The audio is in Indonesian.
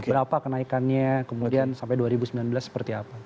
berapa kenaikannya kemudian sampai dua ribu sembilan belas seperti apa